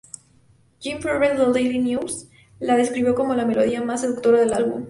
Jim Farber del "Daily News" la describió como la melodía más seductora del álbum.